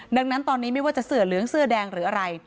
ดังนั้นตอนนี้ไม่ว่าจะเสื้อเหลืองเสื้อแดงหรืออะไร